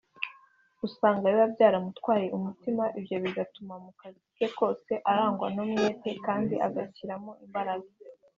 usanga biba byaramutwaye umutima ibyo bigatuma mu kazi ke kose arangwa n’umwete kandi agashyiramo imbaraga